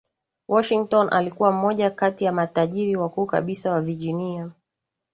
Washington alikuwa mmoja kati ya matajiri wakuu kabisa wa Virginia